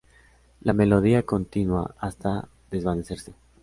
La melodía continúa hasta desvanecerse.